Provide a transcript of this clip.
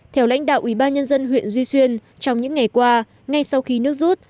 theo lãnh đạo ủy ban nhân dân huyện duy xuyên trong những ngày qua ngay sau khi nước rút